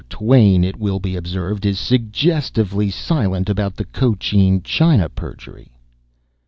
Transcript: Twain, it will be observed, is suggestively silent about the Cochin China perjury.